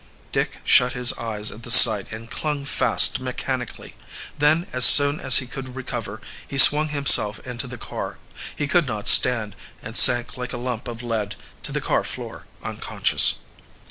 Dick shut his eyes at the sight and clung fast mechanically. Then, as soon as he could recover, he swung himself into the car. He could not stand, and sank like a lump of lead to the car floor unconscious.